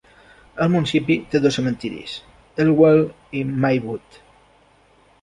El municipi té dos cementiris: Elwell i Maywood.